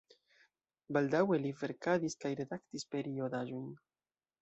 Baldaŭe li verkadis kaj redaktis periodaĵojn.